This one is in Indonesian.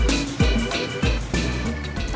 neng mau main kemana